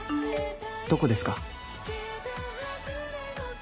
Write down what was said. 「どこですか」